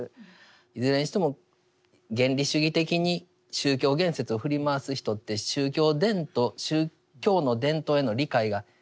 いずれにしても原理主義的に宗教言説を振り回す人って宗教伝統宗教の伝統への理解がシンプルすぎるんですよね。